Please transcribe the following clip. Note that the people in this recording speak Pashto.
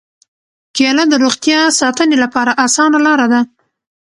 کېله د روغتیا ساتنې لپاره اسانه لاره ده.